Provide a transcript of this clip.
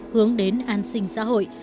hướng đến an sinh xã hội